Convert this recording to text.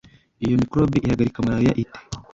Iyo microbe ihagarika malaria ite?